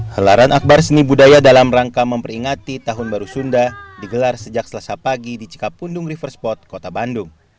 helaran akbar seni budaya dalam rangka memperingati tahun baru sunda digelar sejak selasa pagi di cikapundung river spot kota bandung